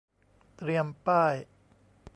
เตรียมป้าย